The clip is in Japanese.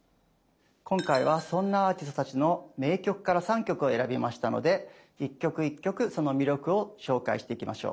今回はそんなアーティストたちの名曲から３曲を選びましたので一曲一曲その魅力を紹介していきましょう。